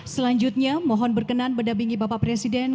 selanjutnya mohon berkenan berdampingi bapak presiden